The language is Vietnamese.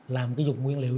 làm cái dụng nguyên liệu